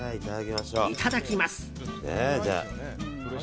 いただきます。